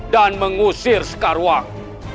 dan mengusir sekarwang